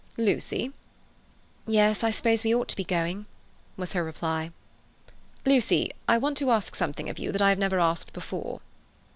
"Lucy!" "Yes, I suppose we ought to be going," was her reply. "Lucy, I want to ask something of you that I have never asked before."